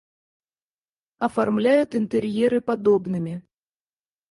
Оформляют интерьеры подобными.